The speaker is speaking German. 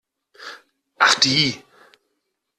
Ach die!